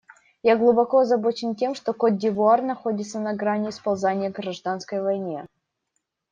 Я глубоко озабочен тем, что Котд'Ивуар находится на грани сползания к гражданской войне.